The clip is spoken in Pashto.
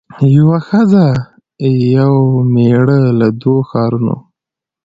یوه ښځه یو مېړه له دوو ښارونو